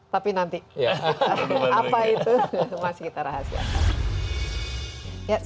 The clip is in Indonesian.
tapi nanti apa itu masih kita rahasia